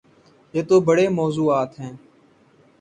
یہ تو بڑے موضوعات ہیں۔